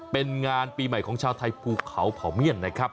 เป็นงานปีใหม่ของชาวไทยภูเขาเผาเมียนนะครับ